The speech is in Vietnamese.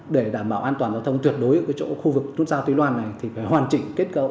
để đảm bảo an toàn giao thông tuyệt đối ở chỗ khu vực nút giao tùy loan này thì phải hoàn chỉnh kết cấu